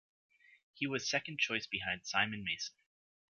He was second choice behind Simon Mason.